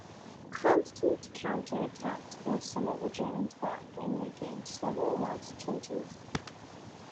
Constant counter-attacks forced some of the Germans back and regained several lost trenches.